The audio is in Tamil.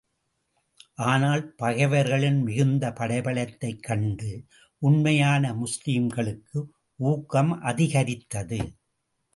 ஆனால், பகைவர்களின் மிகுந்த படைபலத்தைக் கண்டு, உண்மையான முஸ்லிம்களுக்கு ஊக்கம் அதிகரித்தது.